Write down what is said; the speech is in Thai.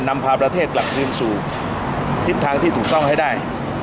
นำพาประเทศกลับคืนสู่ทิศทางที่ถูกต้องให้ได้